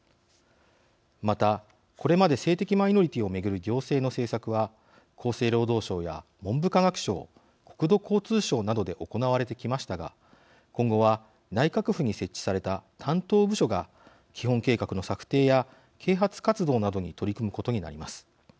また、これまで性的マイノリティーを巡る行政の政策は厚生労働省や文部科学省国土交通省などで行われてきましたが今後は内閣府に設置された担当部署が基本計画の策定や啓発活動などに取り組むことになります。